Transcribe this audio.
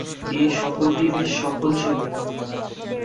এ সফরটি বেশ সফল ছিল।